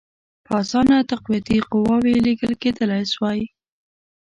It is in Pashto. په اسانه تقویتي قواوي لېږل کېدلای سوای.